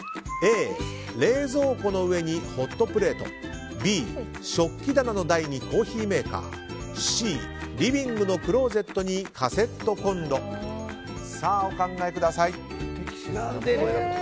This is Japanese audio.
Ａ、冷蔵庫の上にホットプレートＢ、食器棚の台にコーヒーメーカーＣ、リビングのクローゼットにカセットコンロお考えください。